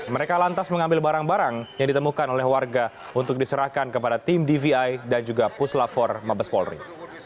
mereka lantas mengambil barang barang yang ditemukan oleh warga untuk diserahkan kepada tim dvi dan juga puslap empat mabes polri